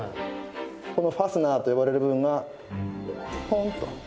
このファスナーと呼ばれる部分がポンと。